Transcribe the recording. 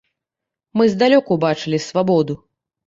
Мы здалёк убачылі свабоду.